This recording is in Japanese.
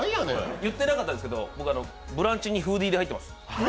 言ってなかったんですけど、「ブランチ」にフーディーで入ってます。